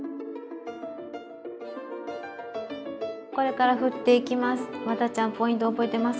これからふっていきます。